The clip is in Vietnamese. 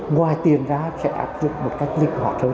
ngoài tiền ra sẽ áp dụng một cách lịch hoạt hơn